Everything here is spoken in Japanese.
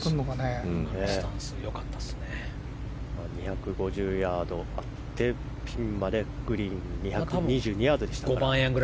２５０ヤードあってピンまで２２２ヤードでしたから。